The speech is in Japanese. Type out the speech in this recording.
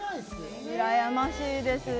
うらやましいです。